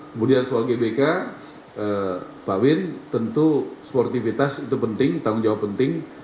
kemudian soal gbk pak win tentu sportivitas itu penting tanggung jawab penting